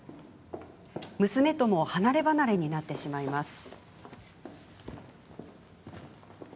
娘とも離れ離れになってしまいます。